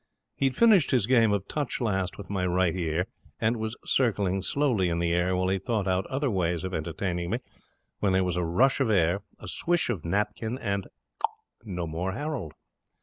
He had finished his game of touch last with my right ear, and was circling slowly in the air while he thought out other ways of entertaining me, when there was a rush of air, a swish of napkin, and no more Harold.